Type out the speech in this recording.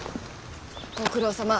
ご苦労さま。